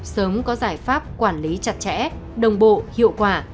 sớm có giải pháp quản lý chặt chẽ đồng bộ hiệu quả